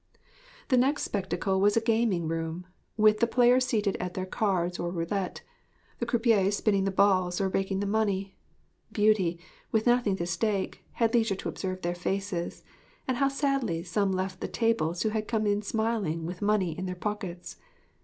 The next spectacle was a gaming room, with the players seated at their cards or roulette, the croupiers spinning the ball or raking the money. Beauty, with nothing to stake, had leisure to observe their faces, and how sadly some left the tables who had come smiling with money in their pockets.